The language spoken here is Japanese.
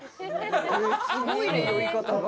すごいね酔い方が。